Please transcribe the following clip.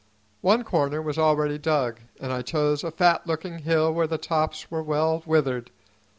One corner was already dug, and I chose a fat looking hill where the tops were well withered.